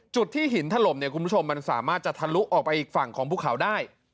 จุดที่หินถล่มเนี่ยคุณผู้ชมมันสามารถจะทะลุออกไปอีกฝั่งของภูเขาได้